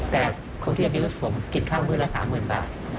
แต่คนที่ยังมีรถส่วนผมกินข้าวมื้อละ๓๐๐๐๐บาท